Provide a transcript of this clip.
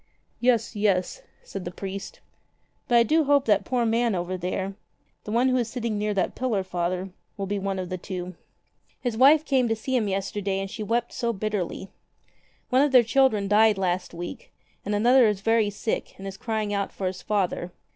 "Yes, yes," said the priest. "But I do hope that poor man over there — the one who is sitting near that pillar. Father — will be one of the two. His wife came to see him yesterday and she wept so bitterly. One of their children died last week, and another is very sick and is crying out for his father.